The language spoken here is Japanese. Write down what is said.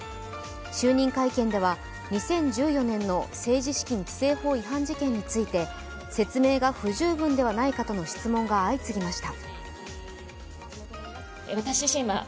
就任会見では、２０１４年の政治資金規正法違反事件について説明が不十分ではないかとの質問が相次ぎました。